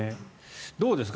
どうですか？